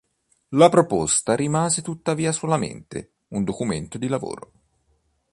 La proposta rimase tuttavia solamente un documento di lavoro.